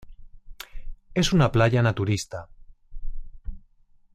Es una playa naturista.